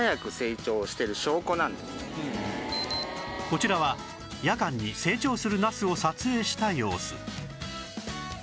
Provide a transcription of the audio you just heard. こちらは夜間に生長するナスを撮影した様子